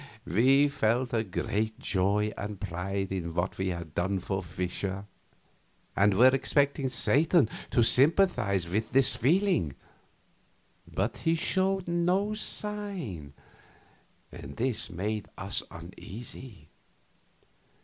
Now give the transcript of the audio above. We felt a great joy and pride in what we had done for Fischer, and were expecting Satan to sympathize with this feeling; but he showed no sign, and this made us uneasy.